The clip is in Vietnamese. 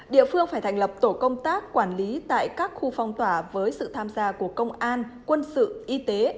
địa phương phải thành lập tổ công tác quản lý tại các khu phong tỏa với sự tham gia của công an quân sự y tế